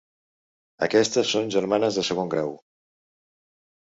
Aquestes són germanes de segon grau.